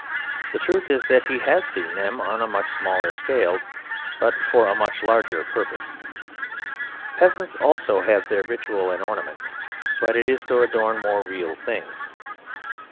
The truth is that he has seen them on a much smaller scale, but for a much larger purpose. Peasants also have their ritual and ornament, but it is to adorn more real things.